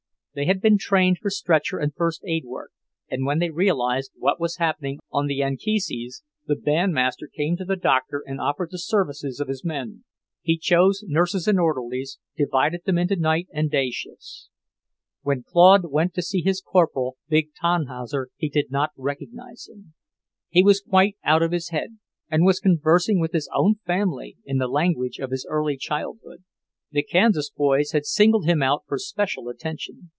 They had been trained for stretcher and first aid work, and when they realized what was happening on the Anchises, the bandmaster came to the Doctor and offered the services of his men. He chose nurses and orderlies, divided them into night and day shifts. When Claude went to see his Corporal, big Tannhauser did not recognize him. He was quite out of his head and was conversing with his own family in the language of his early childhood. The Kansas boys had singled him out for special attention.